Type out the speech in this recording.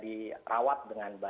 di rawat dengan baik